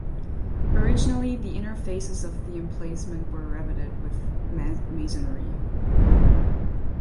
Originally the inner faces of the emplacement were revetted with masonry.